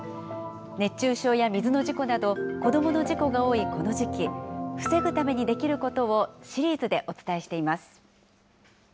熱中症や水の事故など、子どもの事故が多いこの時期、防ぐためにできることをシリーズでお伝えしています。